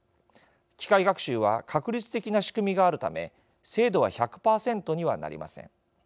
機械学習は確率的な仕組みがあるため精度は１００％にはなりません。